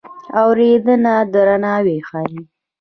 اورېدنه درناوی ښيي.